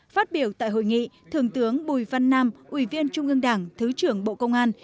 phát biểu tại hội nghị thượng tướng bùi văn nam ủy viên trung ương đảng thứ trưởng bộ công an